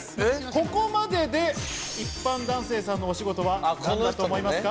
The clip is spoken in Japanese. ここまでで一般男性さんのお仕事は何だと思いますか？